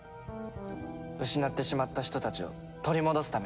失ってしまった人たちを取り戻すために。